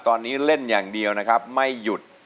ตัดสินอย่างเดียวนะครับไม่หยุด